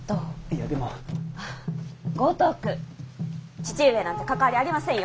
父上なんて関わりありませんよ。